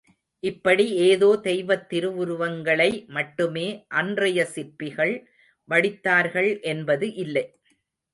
இப்படி ஏதோ தெய்வத் திருவுருவங்களை மட்டுமே அன்றைய சிற்பிகள் வடித்தார்கள் என்பது இல்லை.